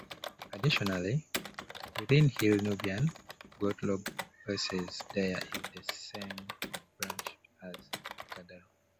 Additionally, within Hill Nubian, Glottolog places Dair in the same branch as Kadaru.